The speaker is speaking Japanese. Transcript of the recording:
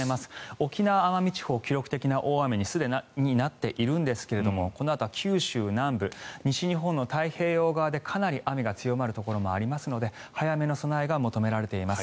沖縄・奄美地方記録的な大雨にすでになっているんですがこのあとは九州南部、西日本の太平洋側でかなり雨が強まるところもありますので早めの備えが求められています。